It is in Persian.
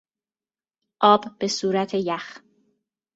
آب به صورت یخ